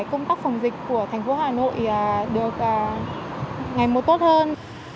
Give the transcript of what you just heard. giúp cho công tác phòng dịch của thành phố hà nội được ngày mùa tốt hơn